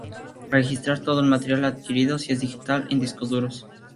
Registrar todo el material adquirido, si es digital, en discos duros.